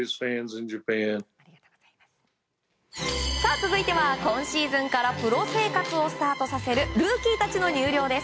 続いては今シーズンからプロ生活をスタートさせるルーキーたちの入寮です。